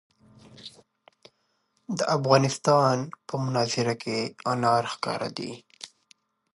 د افغانستان په منظره کې انار ښکاره ده.